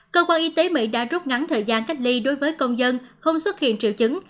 cơ quan y tế mỹ đã rút ngắn thời gian cách ly đối với công dân không xuất hiện triệu chứng